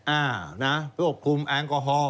อ่านะควบคุมแอลกอฮอล